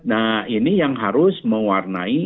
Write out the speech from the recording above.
nah ini yang harus mewarnai